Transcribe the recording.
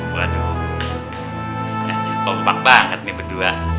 waduh kayaknya kompak banget nih berdua